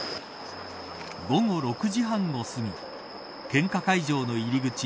午後６時半をすぎ献花会場の入り口